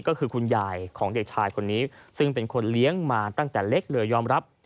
ก็คือคุณยายของเด็กชายคนนี้ซึ่งเป็นคนเลี้ยงมาตั้งแต่เล็กเลยยอมรับ